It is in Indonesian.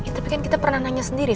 tapi kan kita pernah nanya sendiri